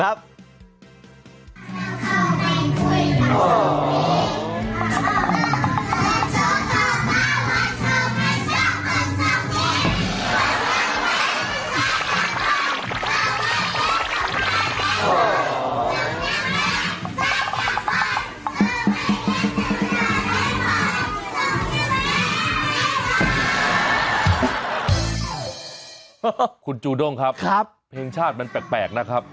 คุณจูด้งครับเพลงชาติมันแปลกนะครับ